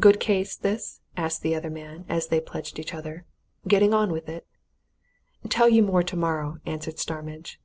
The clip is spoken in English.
"Good case, this?" asked the other man, as they pledged each other. "Getting on with it?" "Tell you more tomorrow," answered Starmidge.